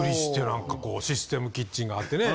何かこうシステムキッチンがあってね